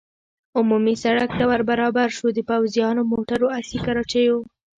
عمومي سړک ته ور برابر شو، د پوځیانو، موټرو، اسي کراچیو.